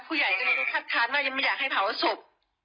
ผู้ใหญ่ก็ต้องคัดทานว่ายังไม่อยากให้เผาอสบ